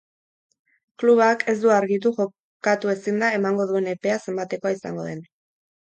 Klubak ez du argitu jokatu ezinda emango duen epea zenbatekoa izango den.